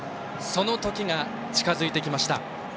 その時が近づいてきました。